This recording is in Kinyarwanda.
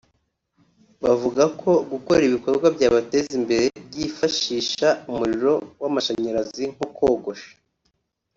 Bavuga ko gukora ibikorwa byabateza imbere byifashisha umuriro w’amashanyarazi nko kogosha